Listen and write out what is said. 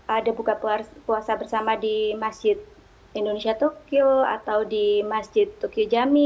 ada buka puasa bersama di masjid indonesia tokyo atau di masjid tuki jami